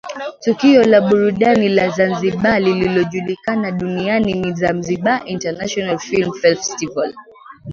Tukio la burudani la Zanzibar linalojulikana duniani ni Zanzibar International Film Festival